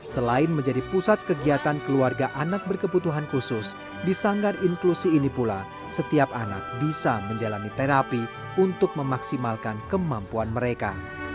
selain menjadi pusat kegiatan keluarga anak berkebutuhan khusus di sanggar inklusi ini pula setiap anak bisa menjalani terapi untuk memaksimalkan kemampuan mereka